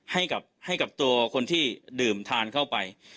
ให้กับตัวคนที่ดื่มทานเข้าไป